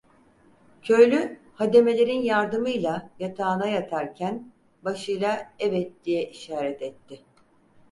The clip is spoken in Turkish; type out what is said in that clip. Köylü, hademelerin yardımıyla yatağına yatarken, başıyla evet diye işaret etti.